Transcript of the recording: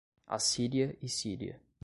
Assíria e Síria